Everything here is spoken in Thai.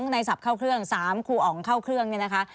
๒ในศัพท์เข้าเครื่อง๓คุยองค์เข้าเครื่อง